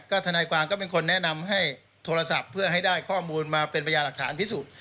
ทนายความก็เป็นคนแนะนำให้โทรศัพท์เพื่อให้ได้ข้อมูลมาเป็นพยาหลักฐานพิสูจน์